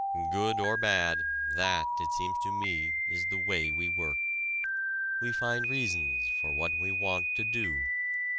Good or bad, that it seems to me is the way we work. We find reasons for what we want to do.